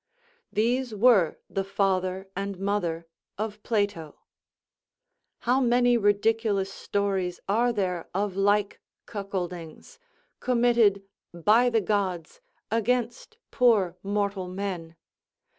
These were the father and mother of Plato. How many ridiculous stories are there of like cuckoldings, committed by the gods against poor mortal men!